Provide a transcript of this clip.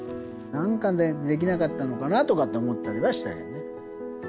なんかできなかったのかなとかって思ったりはしたよね。